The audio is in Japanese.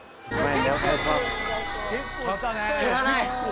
減らない。